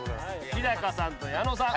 日さんと矢野さん。